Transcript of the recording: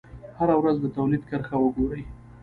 هره ورځ د تولید کرښه وګورئ.